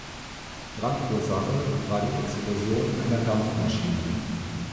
Brandursache war die Explosion einer Dampfmaschine.